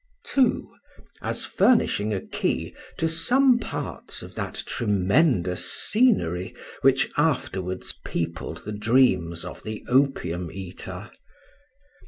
2. As furnishing a key to some parts of that tremendous scenery which afterwards peopled the dreams of the Opium eater.